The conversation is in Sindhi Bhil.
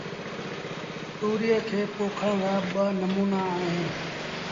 تُوريئي کي پوکڻ رآ ٻآݩموݩآ اهيݩ